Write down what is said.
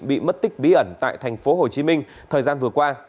bị mất tích bí ẩn tại thành phố hồ chí minh thời gian vừa qua